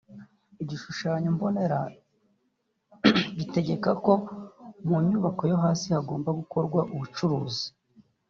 Igishushanyo mbonera gitegeka ko mu nyubako yo hasi hagomba gukorwa ubucuruzi